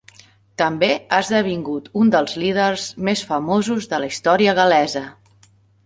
També ha esdevingut un dels líders més famosos de la història gal·lesa.